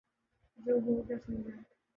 جو ہو گیا سو ہو گیا